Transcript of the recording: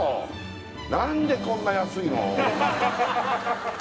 なんでこんな安いの？